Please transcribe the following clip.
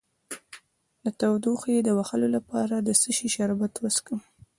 د تودوخې د وهلو لپاره د څه شي شربت وڅښم؟